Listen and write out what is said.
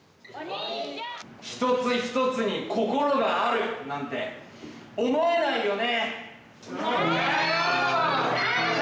一つ一つに心があるなんて思えないよね！